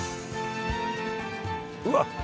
うわっ。